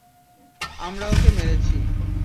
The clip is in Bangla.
আমরা ওকে মেরেছি।